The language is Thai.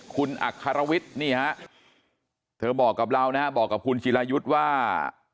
คุณอัครวิทย์นี่ฮะเธอบอกกับเรานะฮะบอกกับคุณจิรายุทธ์ว่า